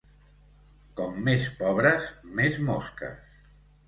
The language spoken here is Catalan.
Com més pobres, més mosques.